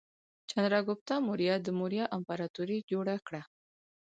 چندراګوپتا موریا د موریا امپراتورۍ جوړه کړه.